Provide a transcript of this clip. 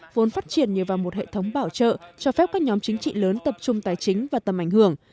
vốn phát triển nhờ vào một hệ thống bảo trợ cho phép các nhóm chính trị lớn tập trung tài chính và tầm ảnh hưởng